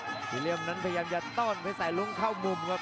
ธนาควิลเลียมเพื่อจะต้นเพชรสายรุ้งไปไว้เข้ามุมครับ